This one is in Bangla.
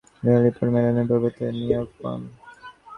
তিনি লিওপল্ড মেলিনের পরিবর্তে নিয়োগ পান।